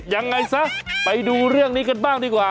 ยังไงซะไปดูเรื่องนี้กันบ้างดีกว่า